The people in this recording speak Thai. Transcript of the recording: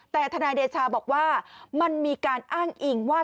แต่ทนายเดชาบอกว่ามันมีการอ้างอิงว่า